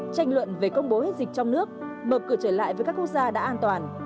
tranh luận về công bố hết dịch trong nước mở cửa trở lại với các quốc gia đã an toàn